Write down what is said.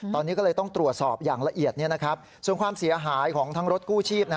ตอนนี้ก็เลยต้องตรวจสอบอย่างละเอียดส่วนความเสียหายของทั้งรถกู้ชีพ